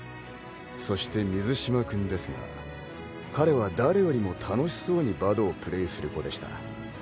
そして水嶋君ですが彼は誰よりも楽しそうにバドをプレーする子でした。